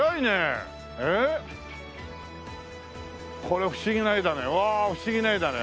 これ不思議な画だね。